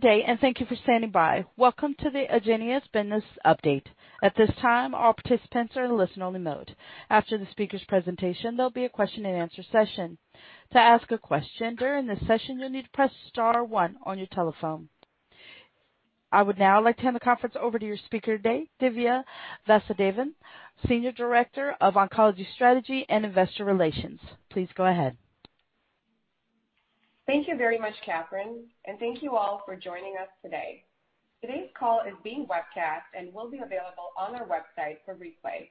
Good day, and thank you for standing by. Welcome to the Agenus Business Update. At this time all participants are in listen and only mode .After the speakers presentation there will be a question and answer session. To ask a question to get in the session press star one on your phone. I would now like to hand the conference over to your speaker today, Divya Vasudevan, Senior Director of Oncology Strategy and Investor Relations. Please go ahead. Thank you very much, Catherine, and thank you all for joining us today. Today's call is being webcast and will be available on our website for replay.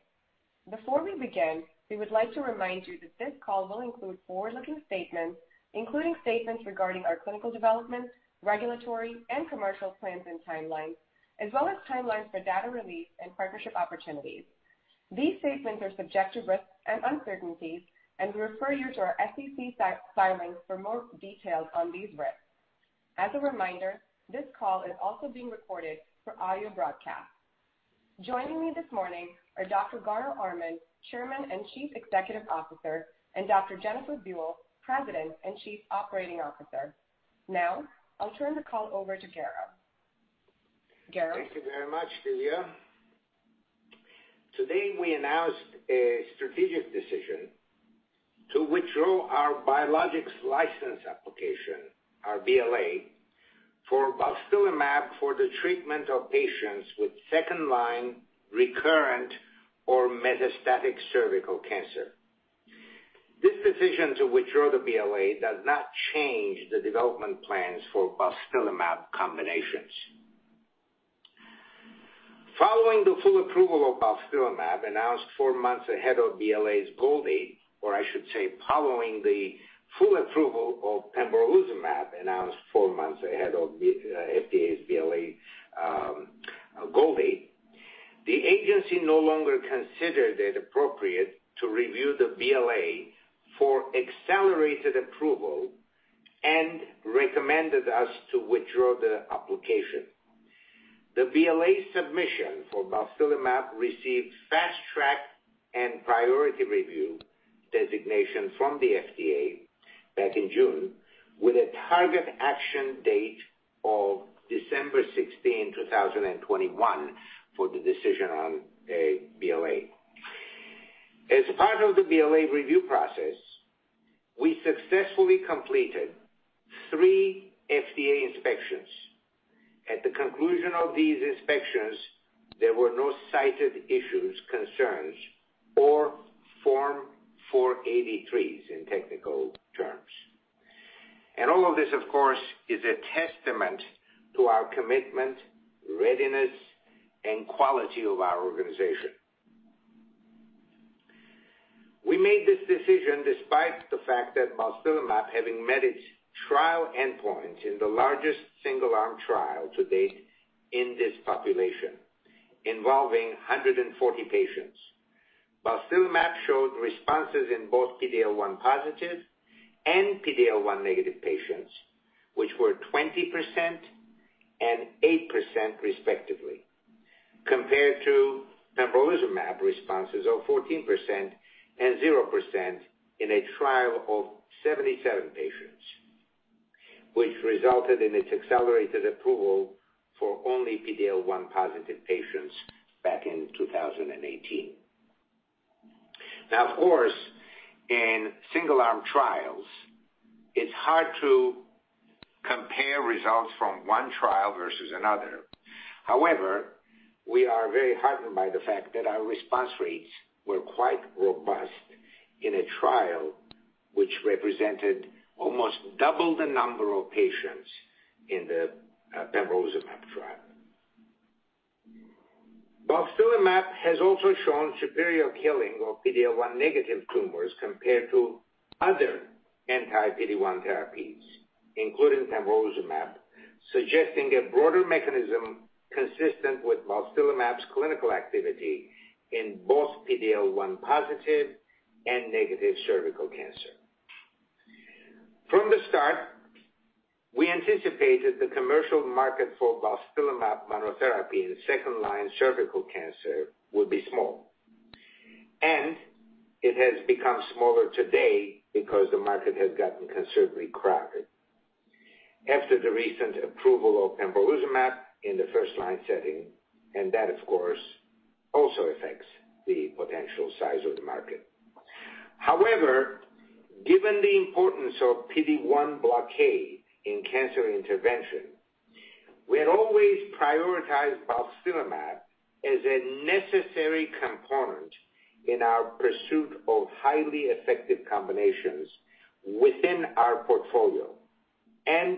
Before we begin, we would like to remind you that this call will include forward-looking statements, including statements regarding our clinical development, regulatory and commercial plans and timelines, as well as timelines for data release and partnership opportunities. These statements are subject to risks and uncertainties. We refer you to our SEC filings for more details on these risks. As a reminder, this call is also being recorded for audio broadcast. Joining me this morning are Dr. Garo Armen, Chairman and Chief Executive Officer, and Dr. Jennifer Buell, President and Chief Operating Officer. I'll turn the call over to Garo. Garo? Thank you very much, Divya. Today, we announced a strategic decision to withdraw our biologics license application, our BLA, for balstilimab for the treatment of patients with second-line recurrent or metastatic cervical cancer. This decision to withdraw the BLA does not change the development plans for balstilimab combinations. Following the full approval of pembrolizumab, announced four months ahead of the FDA's BLA goal date, the agency no longer considered it appropriate to review the BLA for Accelerated Approval and recommended us to withdraw the application. The BLA submission for balstilimab received Fast Track and Priority Review designation from the FDA back in June with a target action date of December 16, 2021, for the decision on a BLA. As part of the BLA review process, we successfully completed three FDA inspections. At the conclusion of these inspections, there were no cited issues, concerns, or Form 483s in technical terms. All of this, of course, is a testament to our commitment, readiness, and quality of our organization. We made this decision despite the fact that balstilimab having met its trial endpoint in the largest single-arm trial to date in this population, involving 140 patients. Balstilimab showed responses in both PD-L1 positive and PD-L1 negative patients, which were 20% and 8% respectively, compared to pembrolizumab responses of 14% and 0% in a trial of 77 patients, which resulted in its Accelerated Approval for only PD-L1 positive patients back in 2018. Of course, in single-arm trials, it's hard to compare results from one trial versus another. We are very heartened by the fact that our response rates were quite robust in a trial which represented almost double the number of patients in the pembrolizumab trial. Balstilimab has also shown superior killing of PD-L1 negative tumors compared to other anti-PD-1 therapies, including pembrolizumab, suggesting a broader mechanism consistent with balstilimab's clinical activity in both PD-L1 positive and negative cervical cancer. From the start, we anticipated the commercial market for balstilimab monotherapy in second-line cervical cancer would be small, and it has become smaller today because the market has gotten considerably crowded after the recent approval of pembrolizumab in the first-line setting, and that, of course, also affects the potential size of the market. However, given the importance of PD-1 blockade in cancer intervention, we had always prioritized balstilimab as a necessary component in our pursuit of highly effective combinations within our portfolio and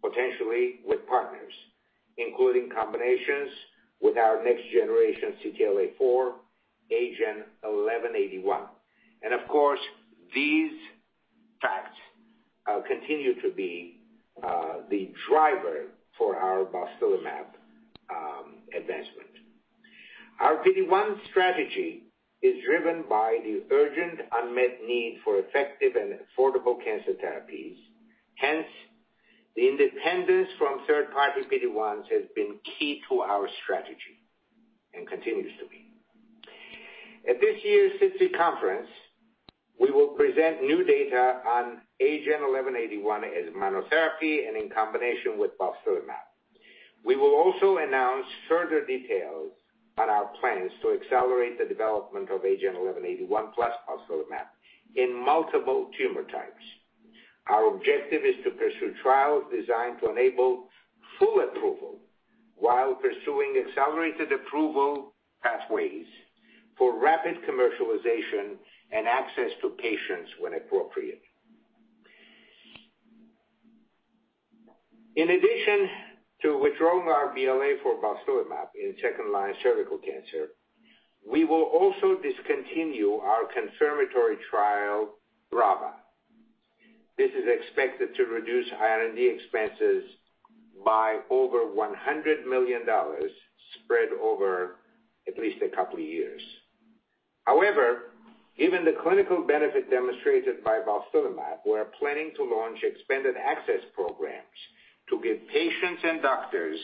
potentially with partners, including combinations with our next generation CTLA-4 AGEN1181. Of course, these facts continue to be the driver for our balstilimab advancement. Our PD-1 strategy is driven by the urgent unmet need for effective and affordable cancer therapies. The independence from third-party PD-1s has been key to our strategy and continues to be. At this year's SITC conference, we will present new data on AGEN1181 as monotherapy and in combination with balstilimab. We will also announce further details on our plans to accelerate the development of AGEN1181 plus balstilimab in multiple tumor types. Our objective is to pursue trials designed to enable full approval while pursuing Accelerated Approval pathways for rapid commercialization and access to patients when appropriate. In addition to withdrawing our BLA for balstilimab in second line cervical cancer, we will also discontinue our confirmatory trial, BRAVA. This is expected to reduce R&D expenses by over $100 million spread over at least two years. Given the clinical benefit demonstrated by balstilimab, we're planning to launch expanded access programs to give patients and doctors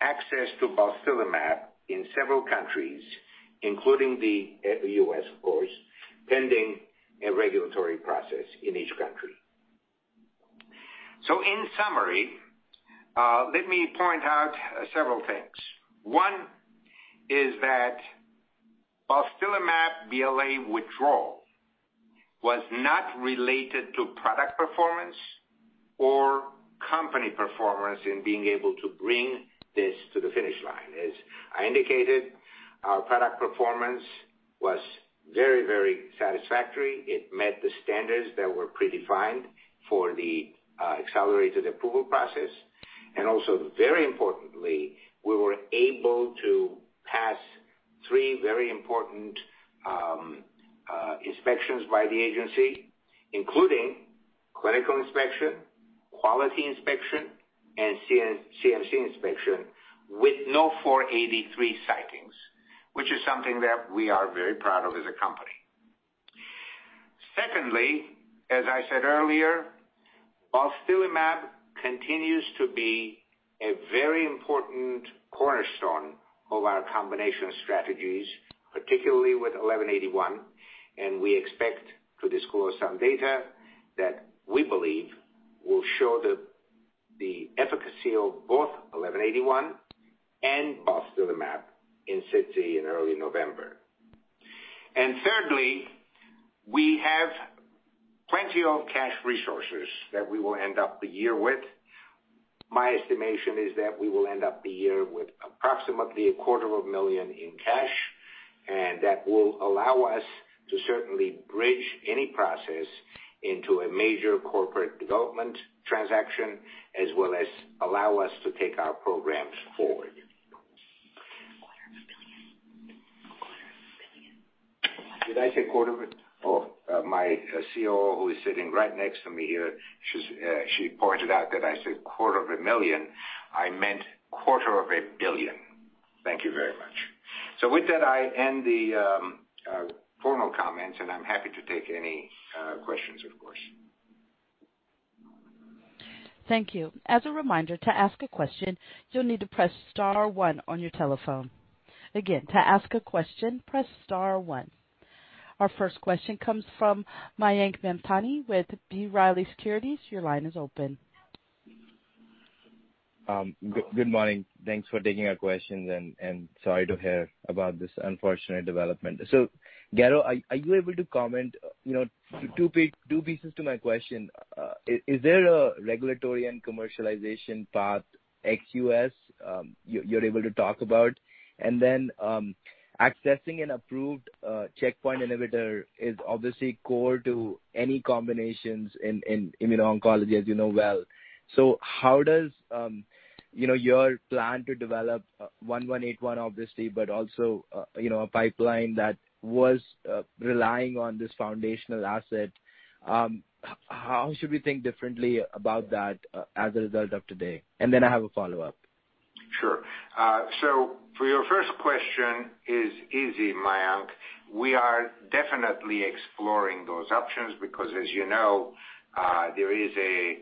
access to balstilimab in several countries, including the U.S., of course, pending a regulatory process in each country. In summary, let me point out several things. One is that balstilimab BLA withdrawal was not related to product performance or company performance in being able to bring this to the finish line. As I indicated, our product performance was very satisfactory. It met the standards that were predefined for the Accelerated Approval process, and also very importantly, we were able to pass three very important inspections by the agency, including clinical inspection, quality inspection, and CMC inspection with no 483 sightings, which is something that we are very proud of as a company. Secondly, as I said earlier, balstilimab continues to be a very important cornerstone of our combination strategies, particularly with 1181, and we expect to disclose some data that we believe will show the efficacy of both 1181 and balstilimab in SITC in early November. Thirdly, we have plenty of cash resources that we will end up the year with. My estimation is that we will end up the year with approximately a quarter of a million in cash, and that will allow us to certainly bridge any process into a major corporate development transaction, as well as allow us to take our programs forward. [inaudible] My COO, who is sitting right next to me here, she pointed out that I said quarter of a million. I meant quarter of a billion. Thank you very much. With that, I end the formal comments, and I'm happy to take any questions, of course. Thank you. As a reminder, to ask a question, you'll need to press star one on your telephone. Again, to ask a question, press star one. Our first question comes from Mayank Mamtani with B. Riley Securities. Your line is open. Good morning. Thanks for taking our questions, sorry to hear about this unfortunate development. Garo, are you able to comment, two pieces to my question. Is there a regulatory and commercialization path ex-US you're able to talk about? Accessing an approved checkpoint inhibitor is obviously core to any combinations in immuno-oncology as you know well. How does your plan to develop 1181 obviously, but also, a pipeline that was relying on this foundational asset, how should we think differently about that as a result of today? I have a follow-up. Sure. For your first question is easy, Mayank. We are definitely exploring those options because as you know, there is a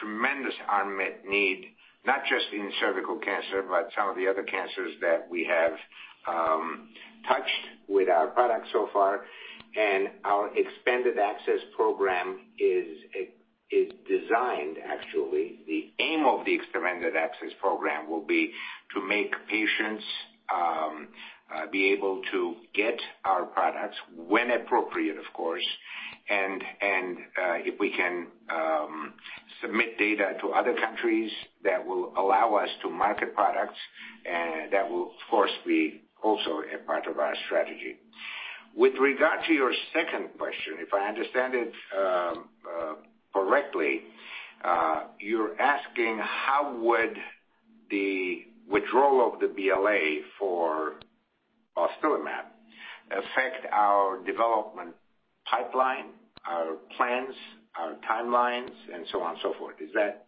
tremendous unmet need, not just in cervical cancer, but some of the other cancers that we have touched with our products so far. Our expanded access program is designed, actually, the aim of the expanded access program will be to make patients be able to get our products when appropriate, of course. If we can submit data to other countries that will allow us to market products, that will of course be also a part of our strategy. With regard to your second question, if I understand it correctly, you're asking how would the withdrawal of the BLA for balstilimab affect our development pipeline, our plans, our timelines, and so on and so forth. Is that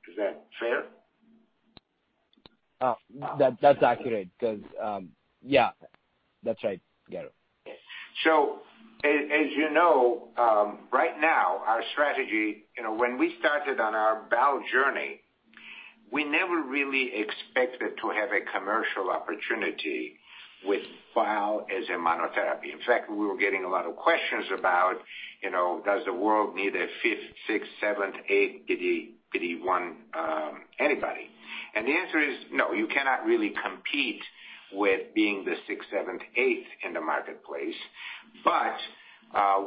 fair? That's accurate. Yeah. That's right, Garo. As you know, right now our strategy, when we started on our bio journey, we never really expected to have a commercial opportunity with bal as a monotherapy. In fact, we were getting a lot of questions about, does the world need a fifth, sixth, seventh, eighth PD-1, anybody? The answer is no. You cannot really compete with being the sixth, seventh, eighth in the marketplace.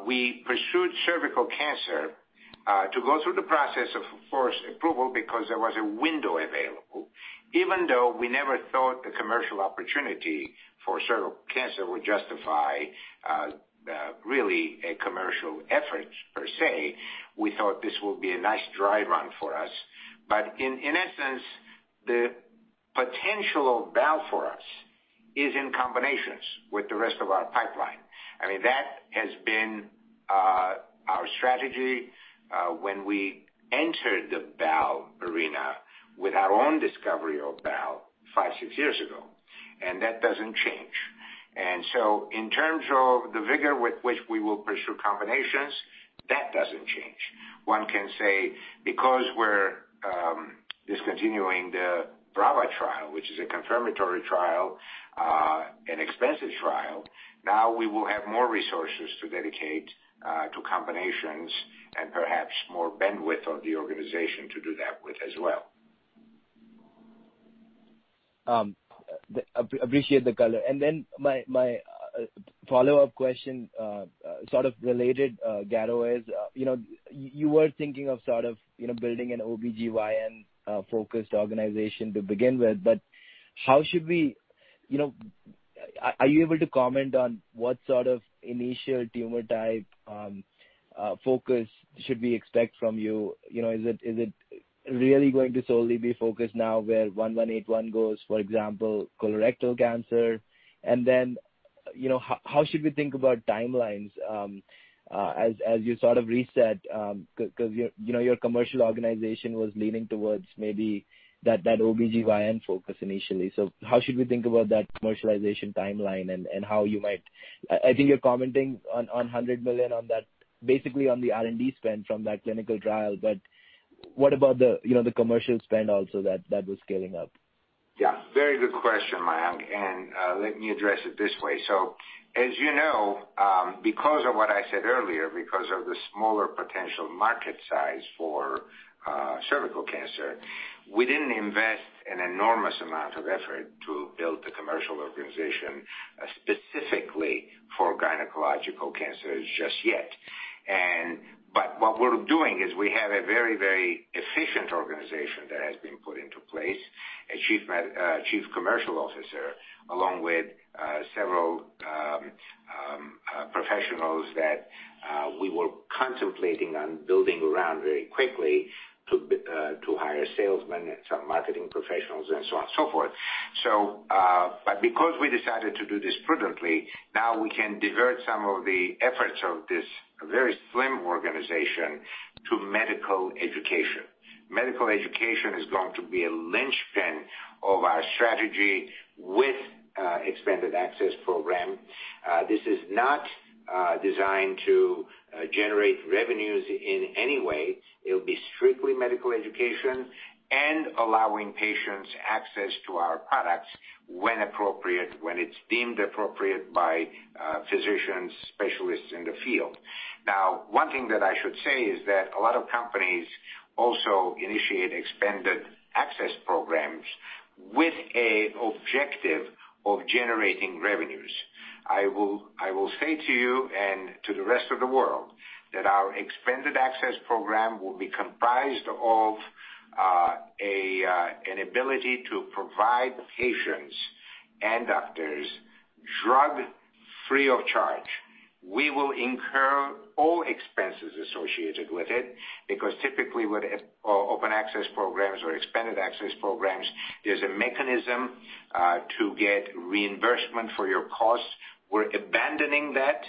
We pursued cervical cancer, to go through the process of forced approval because there was a window available, even though we never thought the commercial opportunity for cervical cancer would justify really a commercial effort per se. We thought this would be a nice dry run for us. In essence, the potential of bal for us is in combinations with the rest of our pipeline. That has been our strategy when we entered the bal arena with our own discovery of bal five, six years ago, and that doesn't change. In terms of the vigor with which we will pursue combinations, that doesn't change. One can say because we're discontinuing the BRAVA trial, which is a confirmatory trial, an expensive trial, now we will have more resources to dedicate to combinations and perhaps more bandwidth of the organization to do that with as well. Appreciate the color. Then my follow-up question, related, Garo, is, you were thinking of building an OB-GYN-focused organization to begin with, but are you able to comment on what initial tumor type focus should we expect from you? Is it really going to solely be focused now where 1181 goes, for example, colorectal cancer? Then, how should we think about timelines, as you reset? Because your commercial organization was leaning towards maybe that OB-GYN focus initially. How should we think about that commercialization timeline? I think you're commenting on $100 million on that, basically on the R&D spend from that clinical trial, but what about the commercial spend also that was scaling up? Yeah. Very good question, Mayank. Let me address it this way. As you know, because of what I said earlier, because of the smaller potential market size for cervical cancer, we didn't invest an enormous amount of effort to build the commercial organization specifically for gynecological cancers just yet. What we're doing is we have a very efficient organization that has been put into place, a chief commercial officer, along with several professionals that we were contemplating on building around very quickly to hire salesmen and some marketing professionals and so on and so forth. Because we decided to do this prudently, now we can divert some of the efforts of this very slim organization to medical education. Medical education is going to be a linchpin of our strategy with expanded access program. This is not designed to generate revenues in any way. It'll be strictly medical education and allowing patients access to our products when appropriate, when it's deemed appropriate by physicians, specialists in the field. One thing that I should say is that a lot of companies also initiate expanded access programs with an objective of generating revenues. I will say to you and to the rest of the world that our expanded access program will be comprised of an ability to provide patients and doctors drug free of charge. We will incur all expenses associated with it, because typically with open access programs or expanded access programs, there's a mechanism to get reimbursement for your costs. We're abandoning that.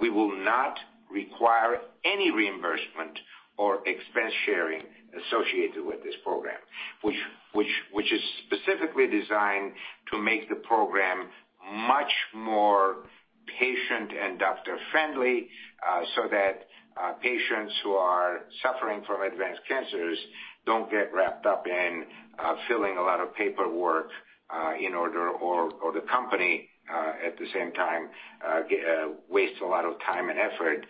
We will not require any reimbursement or expense sharing associated with this program, which is specifically designed to make the program much more patient and doctor-friendly, so that patients who are suffering from advanced cancers don't get wrapped up in filling a lot of paperwork, or the company, at the same time, wastes a lot of time and effort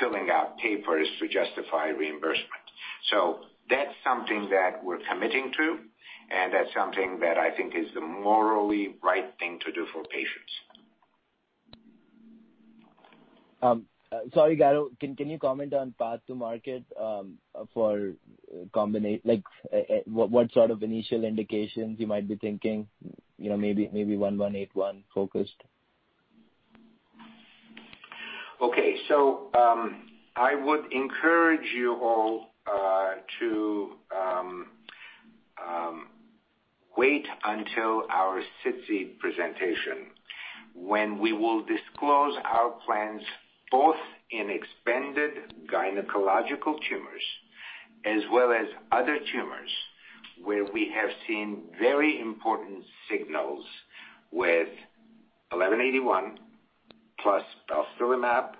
filling out papers to justify reimbursement. That's something that we're committing to, and that's something that I think is the morally right thing to do for patients. Sorry, Garo. Can you comment on path to market, like what initial indications you might be thinking, maybe 1181-focused? Okay. I would encourage you all to wait until our SITC presentation when we will disclose our plans both in expanded gynecological tumors as well as other tumors where we have seen very important signals with 1181Plus balstilimab,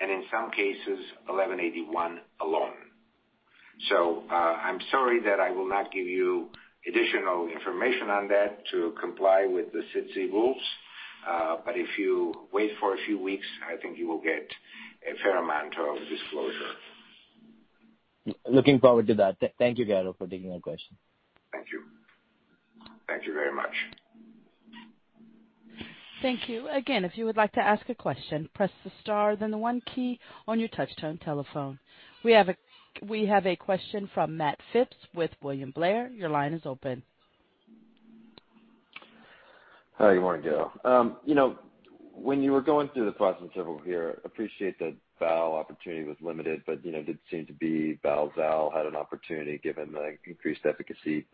and in some cases 1181 alone. I'm sorry that I will not give you additional information on that to comply with the SITC rules. If you wait for a few weeks, I think you will get a fair amount of disclosure. Looking forward to that. Thank you, Garo, for taking that question. Thank you. Thank you very much. Thank you. If you would like to ask a question, press the star, then the one key on your touch tone telephone. We have a question from Matt Phipps with William Blair. Your line is open. Hi, good morning, Garo. When you were going through the process over here, appreciate that bal opportunity was limited, but did seem to be bal had an opportunity given the increased efficacy.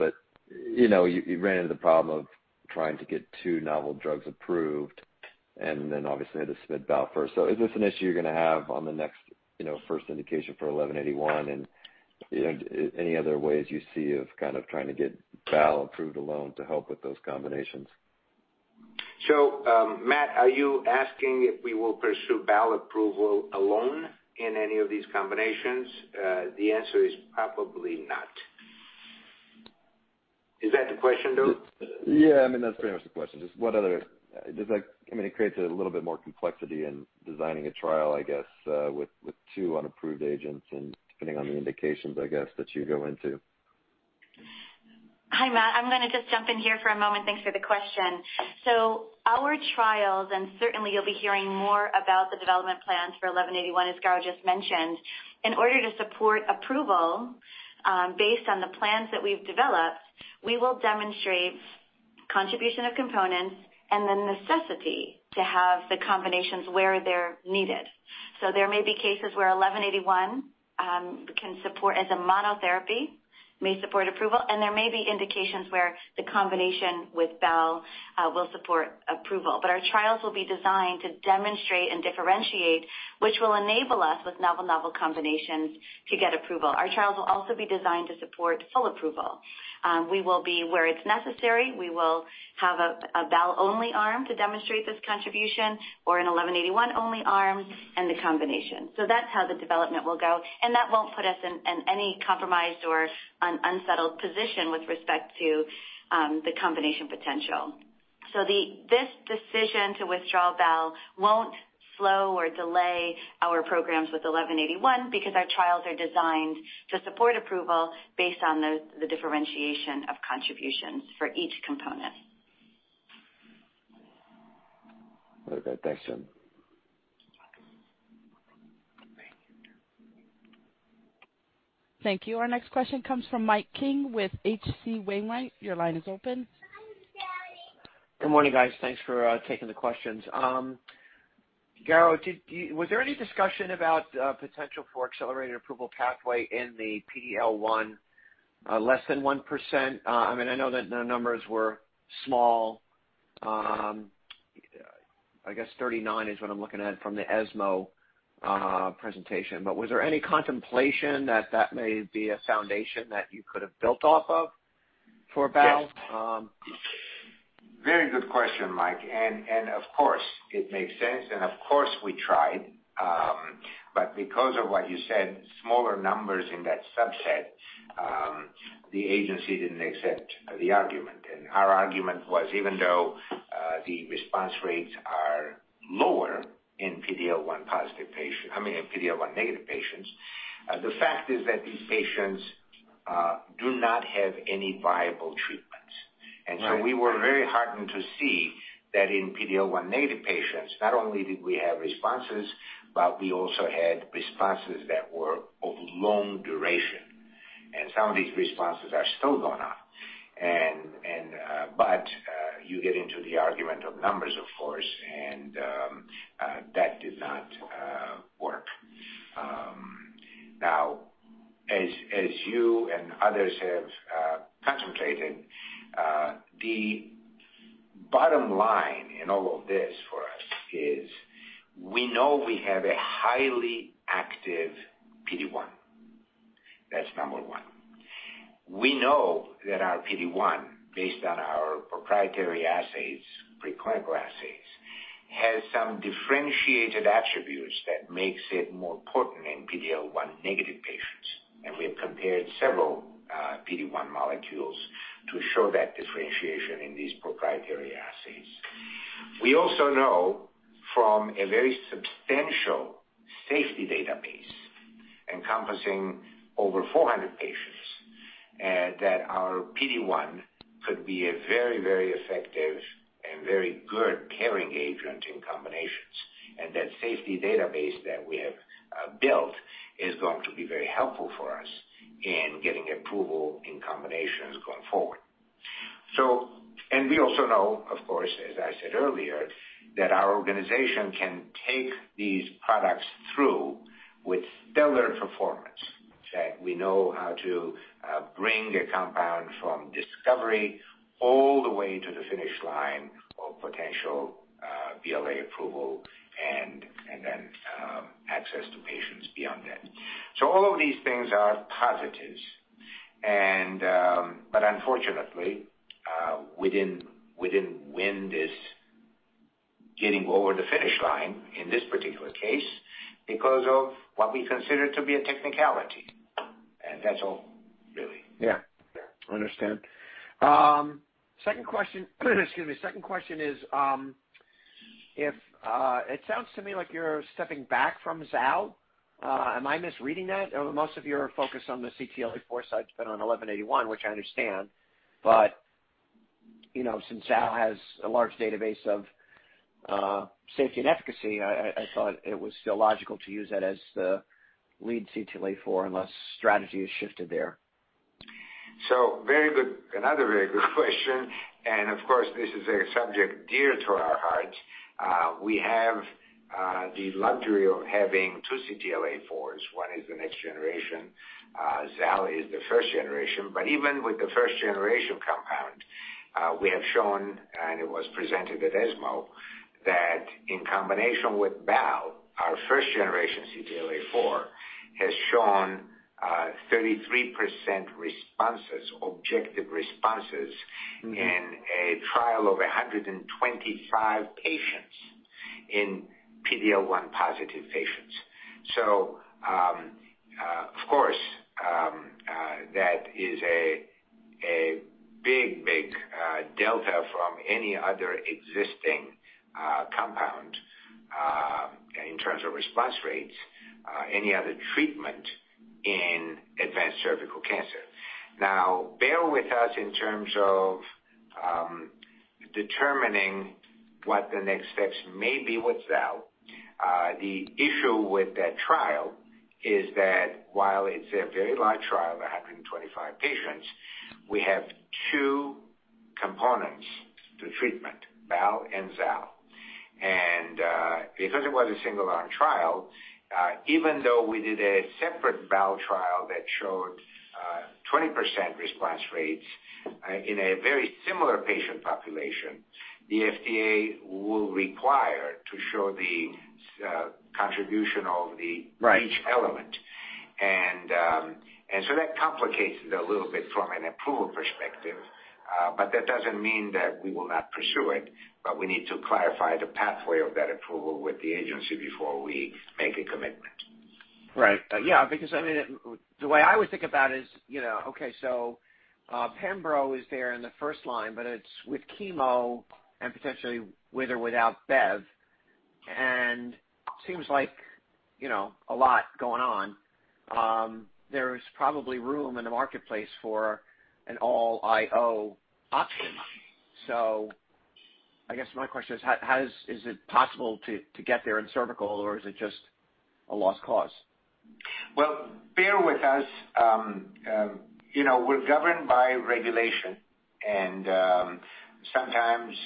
You ran into the problem of trying to get two novel drugs approved and then obviously had to submit bal first. Is this an issue you're going to have on the next first indication for 1181? Any other ways you see of trying to get bal approved alone to help with those combinations? Matt, are you asking if we will pursue bal approval alone in any of these combinations? The answer is probably not. Is that the question, though? Yeah, that's pretty much the question. It creates a little bit more complexity in designing a trial, with two unapproved agents and depending on the indications, that you go into. Hi, Matt. I'm going to just jump in here for a moment. Thanks for the question. Our trials, and certainly you'll be hearing more about the development plans for 1181, as Garo just mentioned. In order to support approval based on the plans that we've developed, we will demonstrate contribution of components and the necessity to have the combinations where they're needed. There may be cases where 1181 can support as a monotherapy, may support approval, and there may be indications where the combination with bal will support approval. Our trials will be designed to demonstrate and differentiate, which will enable us with novel combinations to get approval. Our trials will also be designed to support full approval. We will be where it's necessary. We will have a bal only arm to demonstrate this contribution, or an 1181 only arm and the combination. That's how the development will go, and that won't put us in any compromised or an unsettled position with respect to the combination potential. This decision to withdraw bal won't slow or delay our programs with 1181 because our trials are designed to support approval based on the differentiation of contributions for each component. Very good. Thanks, Jen. Thank you. Our next question comes from Mike King with H.C. Wainwright. Your line is open. Good morning, guys. Thanks for taking the questions. Garo, was there any discussion about potential for Accelerated Approval pathway in the PD-L1 less than 1%? I know that the numbers were small. I guess 39 is what I'm looking at from the ESMO presentation. Was there any contemplation that that may be a foundation that you could have built off of for bal? Very good question, Mike, and of course it makes sense and of course we tried. Because of what you said, smaller numbers in that subset, the agency didn't accept the argument. Our argument was, even though the response rates are lower in PD-L1 negative patients, the fact is that these patients do not have any viable treatments. Right. We were very heartened to see that in PD-L1 negative patients, not only did we have responses, but we also had responses that were of long duration. Some of these responses are still going on. You get into the argument of numbers, of course, and that did not work. Now, as you and others have contemplated, the bottom line in all of this for us is we know we have a highly active PD-1. That's number one. We know that our PD-1, based on our proprietary assays, pre-clinical assays, has some differentiated attributes that makes it more potent in PD-L1 negative patients. We have compared several PD-1 molecules to show that differentiation in these proprietary assays. We also know from a very substantial safety database encompassing over 400 patients, that our PD-1 could be a very effective and very good carrying agent in combinations. That safety database that we have built is going to be very helpful for us in getting approval in combinations going forward. We also know, of course, as I said earlier, that our organization can take these products through with stellar performance, that we know how to bring a compound from discovery all the way to the finish line of potential BLA approval and Access to patients beyond that. All of these things are positives. Unfortunately, we didn't win this getting over the finish line in this particular case because of what we consider to be a technicality. That's all really. Yeah. Yeah. Understand. Second question is, it sounds to me like you're stepping back from zal. Am I misreading that? Most of your focus on the CTLA-4 side's been on 1181, which I understand, but since zal has a large database of safety and efficacy, I thought it was still logical to use that as the lead CTLA-4 unless strategy has shifted there. Very good. Another very good question, of course, this is a subject dear to our hearts. We have the luxury of having two CTLA-4s. One is the next generation. zal is the first generation, even with the first generation compound, we have shown, and it was presented at ESMO, that in combination with bal, our first generation CTLA-4, has shown 33% responses, objective responses. In a trial of 125 patients in PD-L1 positive patients. Of course, that is a big delta from any other existing compound, in terms of response rates, any other treatment in advanced cervical cancer. Now, bear with us in terms of determining what the next steps may be with zal. The issue with that trial is that while it's a very large trial of 125 patients, we have two components to treatment, bal and zal. Because it was a single-arm trial, even though we did a separate bal trial that showed 20% response rates in a very similar patient population, the FDA will require to show the contribution of... ..each element. That complicates it a little bit from an approval perspective. That doesn't mean that we will not pursue it, but we need to clarify the pathway of that approval with the agency before we make a commitment. Right. Yeah, the way I would think about it is, okay, pembro is there in the first line, but it's with chemo and potentially with or without bev, seems like a lot going on. There's probably room in the marketplace for an all IO option. My question is it possible to get there in cervical or is it just a lost cause? Bear with us. We're governed by regulation and, sometimes,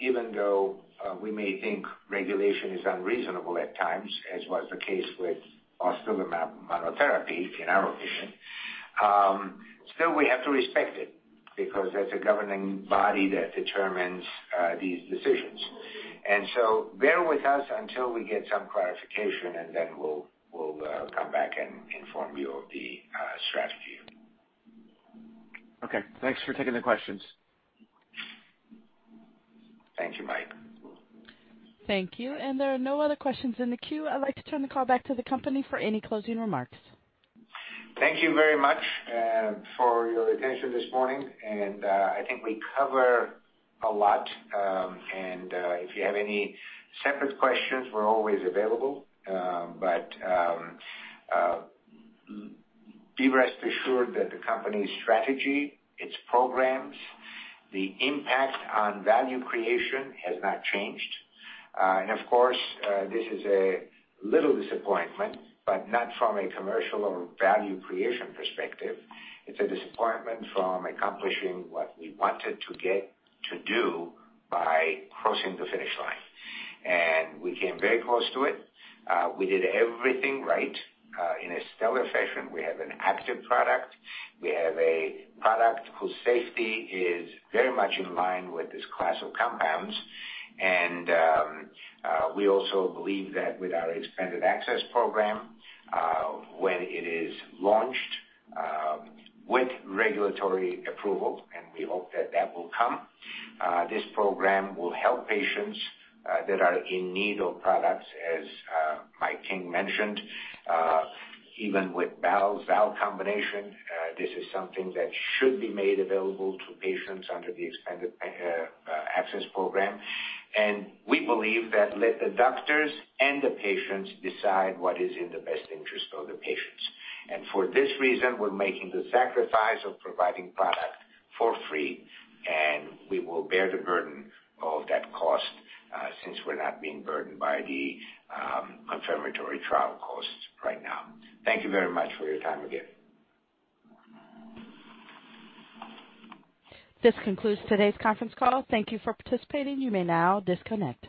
even though we may think regulation is unreasonable at times, as was the case with balstilimab monotherapy, in our opinion, still we have to respect it because that's a governing body that determines these decisions. Bear with us until we get some clarification, and then we'll come back and inform you of the strategy. Okay. Thanks for taking the questions. Thank you, Mike. Thank you. There are no other questions in the queue. I'd like to turn the call back to the company for any closing remarks. Thank you very much for your attention this morning. I think we cover a lot. If you have any separate questions, we're always available. Be rest assured that the company's strategy, its programs, the impact on value creation has not changed. Of course, this is a little disappointment, not from a commercial or value creation perspective. It's a disappointment from accomplishing what we wanted to get to do by crossing the finish line. We came very close to it. We did everything right in a stellar fashion. We have an active product. We have a product whose safety is very much in line with this class of compounds. We also believe that with our Expanded Access Program, when it is launched, with regulatory approval, and we hope that that will come, this program will help patients that are in need of products as Mike King mentioned, even without bal combination, this is something that should be made available to patients under the Expanded Access Program. We believe that let the doctors and the patients decide what is in the best interest of the patients. For this reason, we're making the sacrifice of providing product for free, and we will bear the burden of that cost, since we're not being burdened by the confirmatory trial costs right now. Thank you very much for your time again. This concludes today's conference call. Thank you for participating. You may now disconnect.